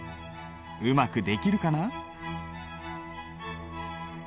うまくできるかな？